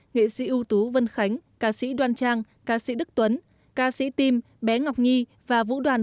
nghệ sĩ ưu tú vân khánh ca sĩ đoan trang ca sĩ đức tuấn ca sĩ tim bé ngọc nhi và vũ đoàn